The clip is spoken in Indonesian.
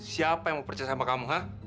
siapa yang mau percaya sama kamu